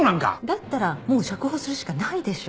だったらもう釈放するしかないでしょ。